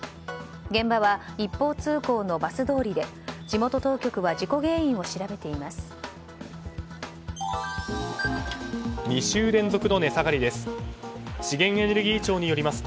現場は一方通行のバス通りで地元当局は事故原因を調べています。